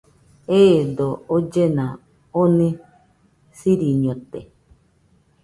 Eedo ollena oni siriñote.